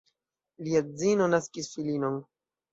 Lia edzino naskis filinon.